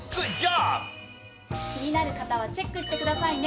気になる方はチェックしてくださいね。